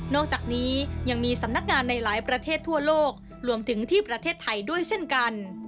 อกจากนี้ยังมีสำนักงานในหลายประเทศทั่วโลกรวมถึงที่ประเทศไทยด้วยเช่นกัน